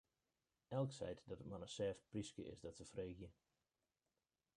Elk seit dat it mar in sêft pryske is, dat se freegje.